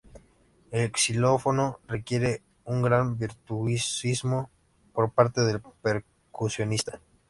El xilófono requiere un gran virtuosismo por parte del percusionista.